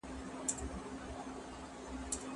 شپې دي روڼي ورځي تیري په ژړا سي